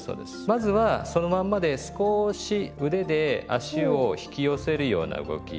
まずはそのまんまで少し腕で足を引き寄せるような動き。